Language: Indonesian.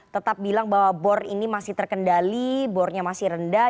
tetap bilang bahwa bor ini masih terkendali bornya masih rendah